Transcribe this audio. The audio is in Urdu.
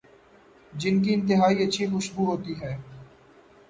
جن کی انتہائی اچھی خوشبو ہوتی ہے